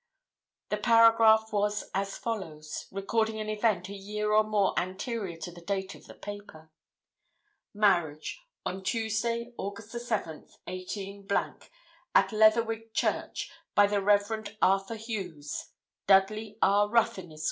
The paragraph was as follows, recording an event a year or more anterior to the date of the paper: 'MARRIAGE. On Tuesday, August 7, 18 , at Leatherwig Church, by the Rev. Arthur Hughes, Dudley R. Ruthyn, Esq.